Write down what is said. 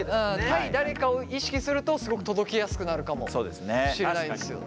対誰かを意識するとすごく届きやすくなるかもしれないですよね。